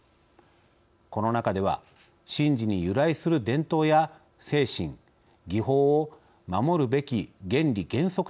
この中では神事に由来する伝統や精神技法を守るべき原理原則とみなし